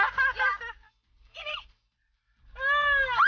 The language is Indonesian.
aku kan juga nyetrum